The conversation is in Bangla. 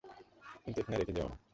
কিন্তু এখানে রেখে যেও না।